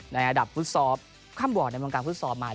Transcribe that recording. ในอัดับฟุตซอฟข้ามบ่อดในวงการฟุตซอฟมา